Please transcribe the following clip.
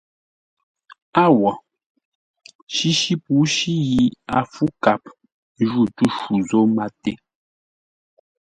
Â wo! Shíshí pǔshí yi a fǔ kap jǔ tû shû zô máté.